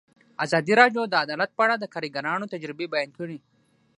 ازادي راډیو د عدالت په اړه د کارګرانو تجربې بیان کړي.